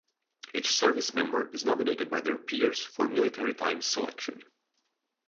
Each service member is nominated by their peers for Military Times selection.